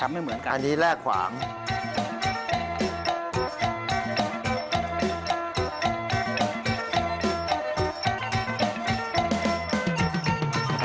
อันนี้แล่ขวาง